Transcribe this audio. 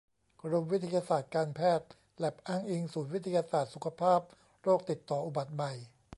กรมวิทยาศาสตร์การแพทย์ แล็บอ้างอิง ศูนย์วิทยาศาสตร์สุขภาพโรคติดต่ออุบัติใหม่